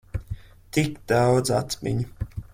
Tik daudz atmiņu.